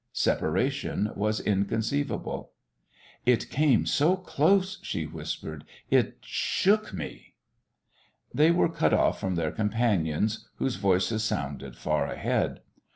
Separation was inconceivable. "It came so close," she whispered. "It shook me!" They were cut off from their companions, whose voices sounded far ahead.